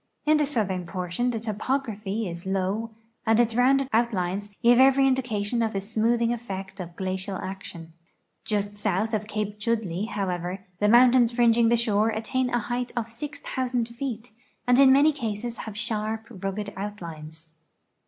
In the southern portion the topography is low and its rounded outlines give every indication of the smoothing effect of glacial action. Just south of Cape Chudleigh, however, the mountains fringing the shore attain a height of 6,000 feet, and in many cases have sharp, rugged outlines.